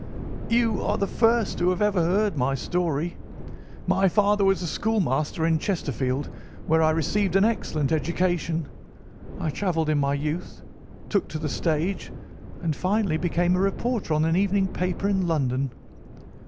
"You are the first who have ever heard my story. My father was a schoolmaster in Chesterfield, where I received an excellent education. I travelled in my youth, took to the stage, and finally became a reporter on an evening paper in London.